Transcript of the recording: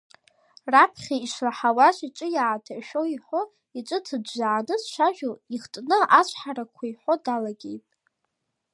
Раԥхьа, ишлаҳауаз иҿы иааҭашәо иҳәо, иҿы ҭыӡәӡәааны дцәажәо, ихтны ацәҳарақәа иҳәо далагеит.